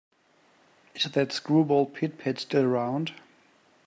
Is that screwball Pit-Pat still around?